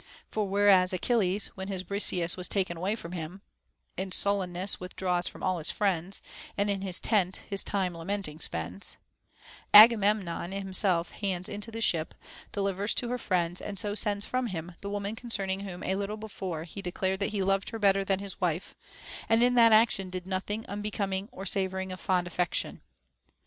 For whereas Achilles, when his Briseis was taken away from him, In sullenness withdraws from all his friends, And in his tent his time lamenting spends ; Agamemnon himself hands into the ship, delivers to her friends, and so sends from him, the woman concerning whom a little before he declared that he loved her better than his wife ; and in that action did nothing unbecom ing or savoring of fond affection.